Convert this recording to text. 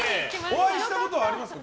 お会いしたことはありますか？